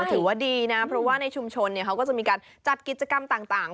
ถือว่าดีนะเพราะว่าในชุมชนเขาก็จะมีการจัดกิจกรรมต่าง